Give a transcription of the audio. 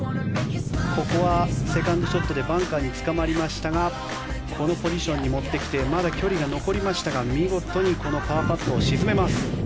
ここはセカンドショットでバンカーにつかまりましたがこのポジションに持ってきてまだ距離が残りましたが見事にこのパーパットを沈めます。